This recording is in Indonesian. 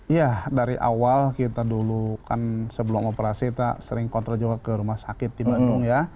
iya dari awal kita dulu kan sebelum operasi kita sering kontrol juga ke rumah sakit di bandung ya